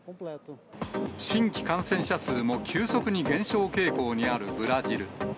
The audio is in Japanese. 新規感染者数も急速に減少傾向にあるブラジル。